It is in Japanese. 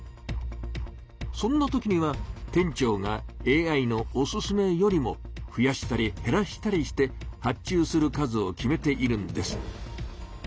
そんなときには店長がＡＩのおすすめよりもふやしたりへらしたりして発注する数を決めているんです。